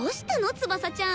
翼ちゃん。